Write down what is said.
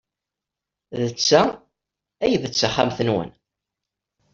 D ta ay d taxxamt-nwen?